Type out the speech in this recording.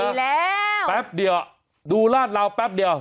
อีกแล้วแป๊บเดียวดูลาดราวแป๊บเดียว